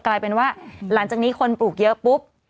กลายเป็นว่าหลังจากนี้คนปลูกเยอะปุ๊บ